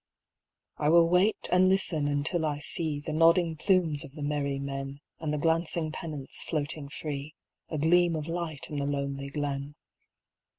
*' I will wait and listen until I see The nodding plumes of the merry men And the glancing pennants floating free, A gleam of light in the lonely glen.